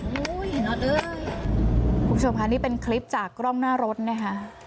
คุณผู้ชมค่ะนี่เป็นคลิปจากกล้องหน้ารถนะคะ